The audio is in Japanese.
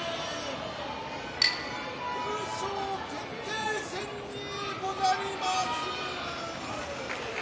優勝決定戦にござりまする。